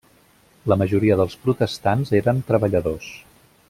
La majoria dels protestants eren treballadors.